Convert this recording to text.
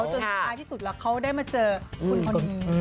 จนสุดท้ายที่สุดแล้วเขาได้มาเจอคุณพอดี